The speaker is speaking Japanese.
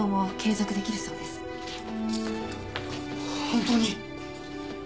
本当に？